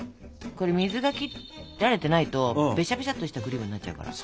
これ水が切られてないとベシャベシャッとしたクリームになっちゃうから。